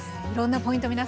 いろんなポイント